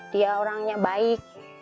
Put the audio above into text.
dia orangnya baik